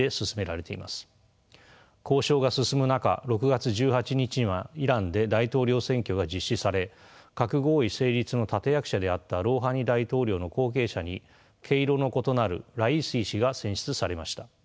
交渉が進む中６月１８日にはイランで大統領選挙が実施され核合意成立の立て役者であったロウハニ大統領の後継者に毛色の異なるライシ師が選出されました。